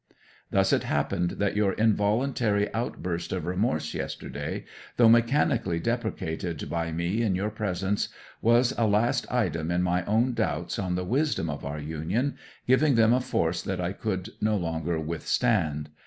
Thus it happened that your involuntary outburst of remorse yesterday, though mechanically deprecated by me in your presence, was a last item in my own doubts on the wisdom of our union, giving them a force that I could no longer withstand.